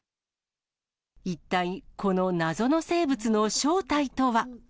一体この謎の生物の正体とは。